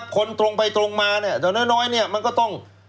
คนตรงไปตรงมาแต่ก็ต้อง